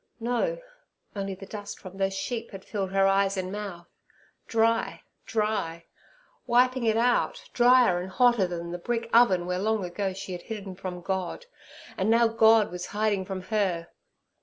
No, only the dust from those sheep had filled her eyes and her mouth. Dry! dry! wiping it out—drier and hotter than the brick oven where long ago she had hidden from God, and now God was hiding from her.